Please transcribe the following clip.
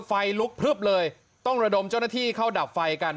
ไฟลุกพลึบเลยต้องระดมเจ้าหน้าที่เข้าดับไฟกัน